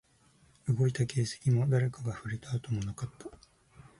動いた形跡も、誰かが触れた跡もなかった